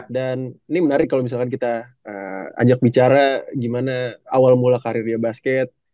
dan ini menarik kalau misalkan kita ajak bicara gimana awal mula karir dia basket